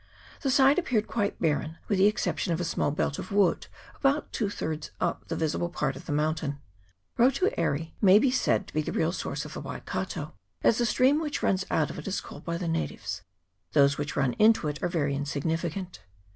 The side appeared quite barren, with the exception of a small belt of wood about two thirds up the visible part of the mountain. Rotu Aire may be said to be the real source of the Wai kato, as the stream which runs out of it is called by the natives; those which run into it are very 348 MR. BIDWILL'S ASCENT [PART n. insignificant.